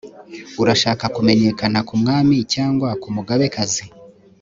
urashaka kumenyekana ku mwami cyangwa kumugabekazi